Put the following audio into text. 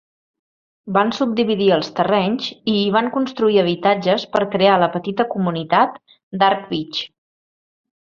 Van subdividir els terrenys i hi van construir habitatges per crear la petita comunitat d'Arc Beach.